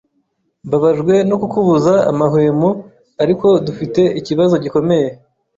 Mbabajwe no kukubuza amahwemo, ariko dufite ikibazo gikomeye.